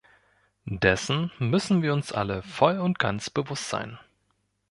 Dessen müssen wir uns alle voll und ganz bewusst sein.